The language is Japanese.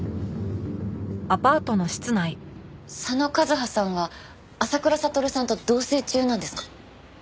佐野和葉さんは浅倉悟さんと同棲中なんですか？